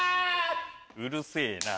うるせぇな！